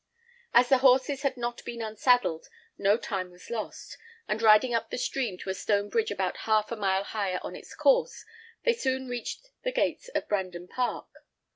As the horses had not been unsaddled, no time was lost; and riding up the stream to a stone bridge about half a mile higher on its course, they soon reached the gates of Brandon Park.